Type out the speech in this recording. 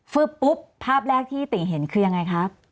ปุ๊บภาพแรกที่ติเห็นคือยังไงครับ